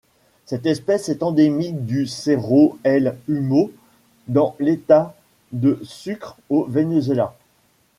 Cette espèce est endémique du Cerro El Humo dans l'État de Sucre au Venezuela.